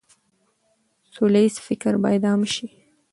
سوله ييز فکر بايد عام شي.